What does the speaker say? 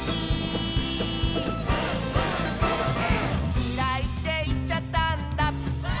「きらいっていっちゃったんだ」